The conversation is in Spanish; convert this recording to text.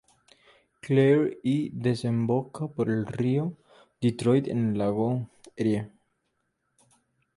Claire y desemboca por el río Detroit en el lago Erie.